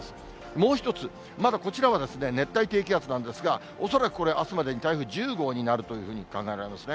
もう一つ、まだこちらは熱帯低気圧なんですが、恐らくこれ、あすまでに台風１０号になるというふうに考えられますね。